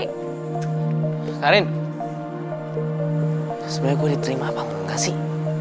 karin sebenernya gue diterima apa yang lo kasih